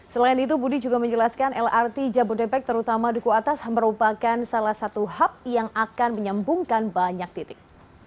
selain itu budi juga menjelaskan lrt jabodebek terutama duku atas merupakan salah satu hub yang akan menyambungkan banyak titik